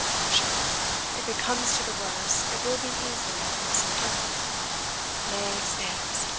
Pshaw! if it come to the worse, it will be easy unhorsing him. Nay, 'snails!